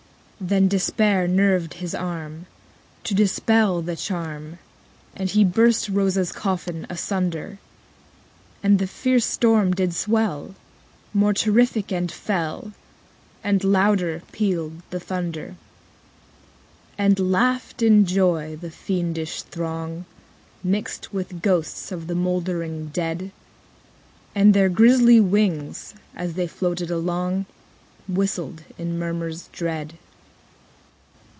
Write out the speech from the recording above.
_75 14. Then despair nerved his arm To dispel the charm, And he burst Rosa's coffin asunder. And the fierce storm did swell More terrific and fell, _80 And louder pealed the thunder. 15. And laughed, in joy, the fiendish throng, Mixed with ghosts of the mouldering dead: And their grisly wings, as they floated along, Whistled in murmurs dread.